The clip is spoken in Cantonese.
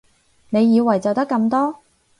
你以為就得咁多？